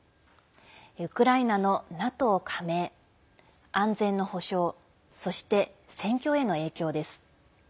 ウクライナのＮＡＴＯ加盟安全の保証そして、戦況への影響です。